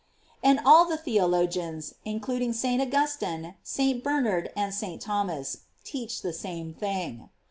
J" And all the theologians, including St. Augustine,§ St. Ber nard, and St. Thomas, teach the same thing.